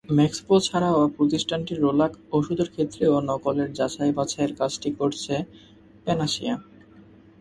Maxpro ছাড়াও প্রতিষ্ঠানটির রোল্যাক ওষুধের ক্ষেত্রেও নকলের যাচাই-বাছাইয়ের কাজটি করছে প্যানাসিয়া।